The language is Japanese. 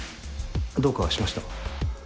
どうかしました？